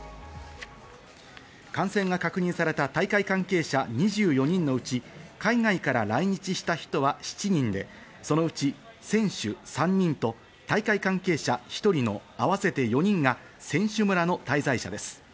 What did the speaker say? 感染が確認された大会関係者２４人のうち、海外から来日した人は７人で、そのうち選手３人と大会関係者１人の合わせて４人が選手村の滞在者です。